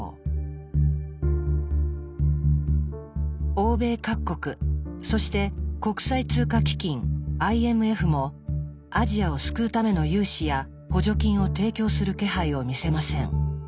欧米各国そして国際通貨基金ＩＭＦもアジアを救うための融資や補助金を提供する気配を見せません。